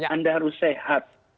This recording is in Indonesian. anda harus sehat